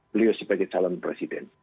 beliau sebagai calon presiden